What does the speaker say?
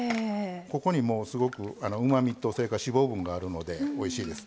ここにすごくうまみと脂肪分があるのでおいしいです。